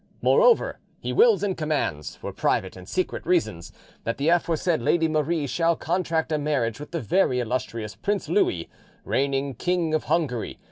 "Moreover, he wills and commands, for private and secret reasons, that the aforesaid lady Marie shall contract a marriage with the very illustrious prince, Louis, reigning King of Hungary.